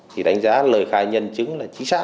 thì đánh giá lời khai nhân chứng là chính xác